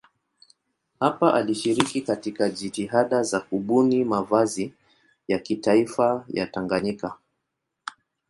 Hapa alishiriki katika jitihada za kubuni mavazi ya kitaifa ya Tanganyika.